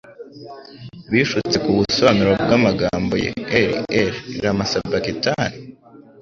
Bishutse ku busobanuro bw'amagambo ye Eli, Eli, Lama Sabakitani?"